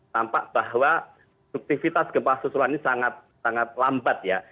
tampak bahwa aktivitas gempa susulan ini sangat sangat lambat ya